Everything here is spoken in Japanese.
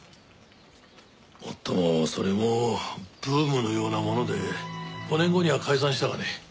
もっともそれもブームのようなもので５年後には解散したがね。